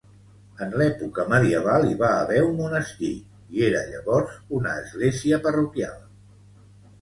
En l'època medieval hi va haver un monestir i era llavors una església parroquial.